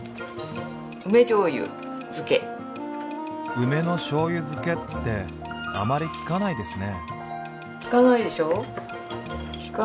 梅のしょうゆ漬けってあまり聞かないですね。